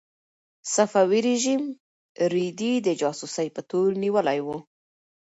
صفوي رژیم رېدی د جاسوسۍ په تور نیولی و.